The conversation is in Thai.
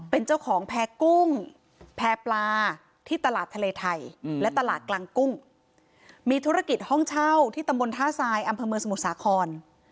เป็นเจ้าของแพร่กุ้งแพร่ปลาที่ตลาดทะเลไทยและตลาดกลางกุ้งมีธุรกิจห้องเช่าที่ตำบลท่าทรายอำเภอเมืองสมุทรสาคร